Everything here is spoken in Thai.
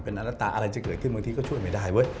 มันเป็นอันตราอะไรจะเกิดขึ้นบางทีก็ช่วยไม่ได้